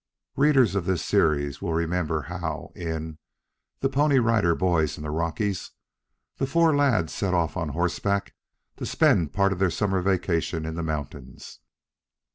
Readers of this series will remember how, in "THE PONY RIDER BOYS IN THE ROCKIES," the four lads set off on horseback to spend part of their summer vacation in the mountains.